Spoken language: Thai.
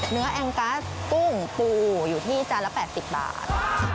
แองกัสกุ้งปูอยู่ที่จานละ๘๐บาท